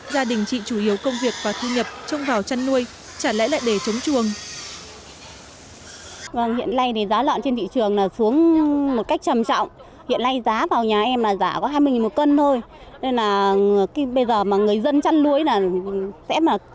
gia đình chị chủ yếu công việc và thu nhập trông vào chăn nuôi trả lẽ lại để chống chuồng